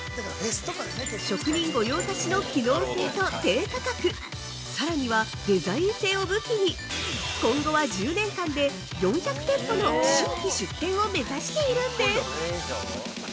職人御用達の機能性と低価格、更にはデザイン性を武器に今後は１０年間で４００店舗の新規出店を目指しているんです！